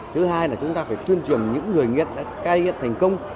thứ hai là chúng ta phải tuyên truyền những người nghiện đã cai nghiện thành công